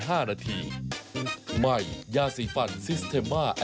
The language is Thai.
ถ้าเราไม่เจออู๋ดเราไม่เป็นไรป่ะ